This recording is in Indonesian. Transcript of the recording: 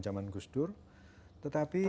zaman gus dur tetapi